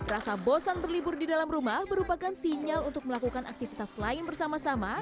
rasa bosan berlibur di dalam rumah merupakan sinyal untuk melakukan aktivitas lain bersama sama